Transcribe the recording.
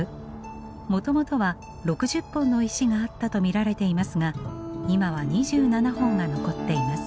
もともとは６０本の石があったと見られていますが今は２７本が残っています。